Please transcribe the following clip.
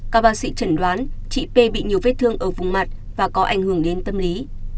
các bác sĩ chẩn đoán chị p bị nhiều vết thương ở vùng mặt và có ảnh hưởng đến tâm lý